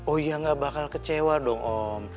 oh ya gak bakal kecewa dong om